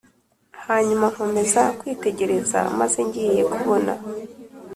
Hanyuma nkomeza kwitegereza maze ngiye kubona